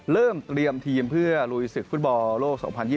เริ่มเตรียมทีมเพื่อลุยศึกฟุตบอลโลก๒๐๒๐